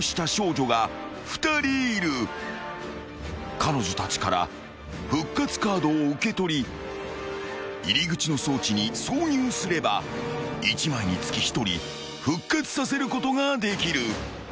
［彼女たちから復活カードを受け取り入り口の装置に挿入すれば一枚につき一人復活させることができる］